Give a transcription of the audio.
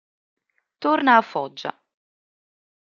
Torna a Foggia.